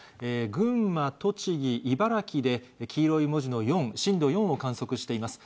群馬、栃木、茨城で黄色い文字の４、震度４を観測しています。